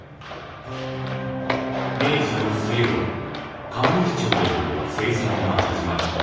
明治の末ごろ川西町でも生産が始まり